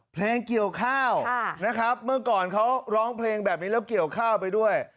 เพลงเกี่ยวข้าวนะครับเมื่อก่อนเขาร้องเพลงแบบนี้แล้วเกี่ยวข้าวไปด้วย